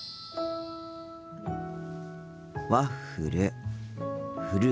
ワッフル。